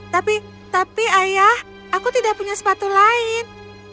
tapi tapi ayah aku tidak punya sepatu lain